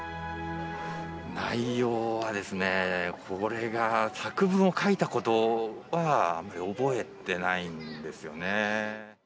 内容はですね、これが、作文を書いたことは、あんまり覚えてないんですよね。